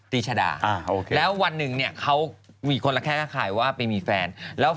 ติชดาแล้ววันหนึ่งเขามีคนละแค่คล้ายว่าไปมีแฟน